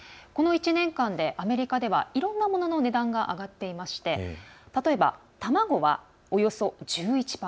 この１年間でアメリカではいろんな物の値段が上がっていまして例えば、卵はおよそ１１％。